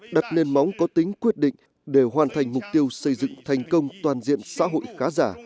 và những vấn đề được quan tâm nhất tại kỳ họp năm nay là gì